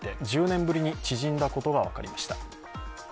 １０年ぶりに縮んだことが分かりました。